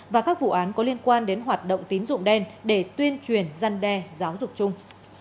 và các vụ án có liên quan đến hoạt động tín dụng đen để tuyên truyền gian đe giáo dục chung